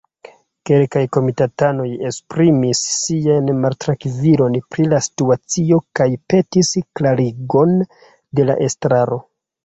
Kelkaj komitatanoj esprimis sian maltrankvilon pri la situacio kaj petis klarigon de la estraro.